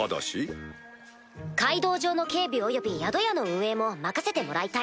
街道上の警備および宿屋の運営も任せてもらいたい。